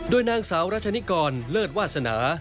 โดยนางสาวรัชนิกรเลิศวาสนา